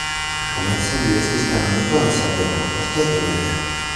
Komence li estis kanoniko en Zagrebo, poste en Eger.